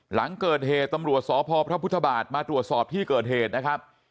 หลังเกิดเหตุตำรวจสพพระพุทธบาทมาตรวจสอบที่เกิดเหตุนะครับ